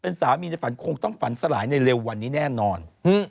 สามีในฝันคงต้องฝันสลายในเร็ววันนี้แน่นอน